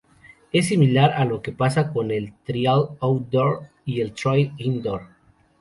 Es similar a lo que pasa con el trial outdoor y el trial indoor".